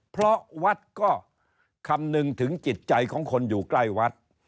เพราะวัดก็คำนึงถึงจิตใจของคนอยู่ใกล้วัด